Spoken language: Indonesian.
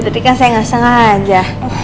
tadi kan saya gak sengaja